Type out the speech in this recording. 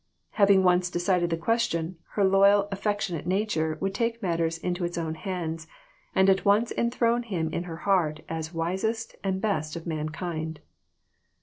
Having once decided the question, her loyal, affectionate nature would take matters into its own hands and at once enthrone him in her heart as wisest and best of mankind.